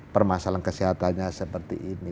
permasalahan kesehatannya seperti ini